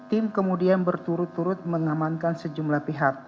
tim kemudian berturut turut mengamankan sejumlah pihak